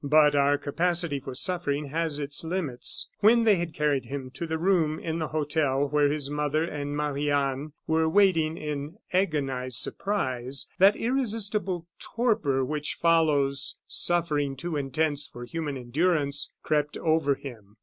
But our capacity for suffering has its limits. When they had carried him to the room in the hotel where his mother and Marie Anne were waiting in agonized surprise, that irresistible torpor which follows suffering too intense for human endurance, crept over him.